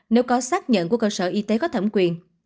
nếu có xác nhận của cơ sở y tế có thẩm quyền